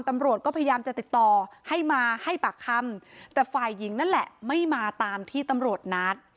ตำรวจก็พยายามจะติดต่อให้มาให้ปากคำแต่ฝ่ายหญิงนั่นแหละไม่มาตามที่ตำรวจนัด